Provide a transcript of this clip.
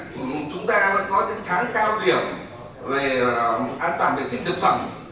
ví dụ như là chúng ta vẫn có những tháng cao điểm về an toàn vệ sinh thực phẩm